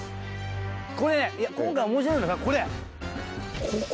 これね今回面白いのがこれここなのよ。